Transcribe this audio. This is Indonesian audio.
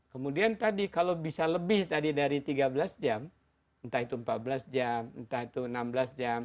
kemudian tadi kalau bisa lebih tadi dari tiga belas jam entah itu empat belas jam entah itu enam belas jam